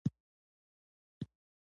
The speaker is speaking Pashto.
ای د مومنانو امیره.